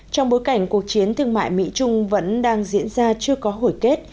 trong bối cảnh cuộc chiến thương mại mỹ trung vẫn đang diễn ra chưa có hồi kết